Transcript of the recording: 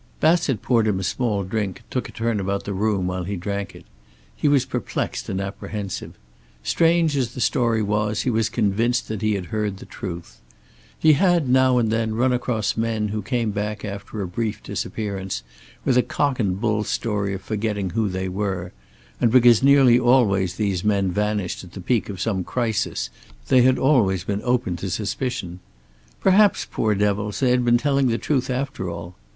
Bassett poured him a small drink, and took a turn about the room while he drank it. He was perplexed and apprehensive. Strange as the story was, he was convinced that he had heard the truth. He had, now and then, run across men who came back after a brief disappearance, with a cock and bull story of forgetting who they were, and because nearly always these men vanished at the peak of some crisis they had always been open to suspicion. Perhaps, poor devils, they had been telling the truth after all.